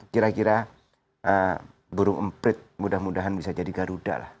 kira kira burung emprit mudah mudahan bisa jadi garuda lah